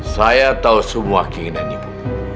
saya tahu semua keinginan ibu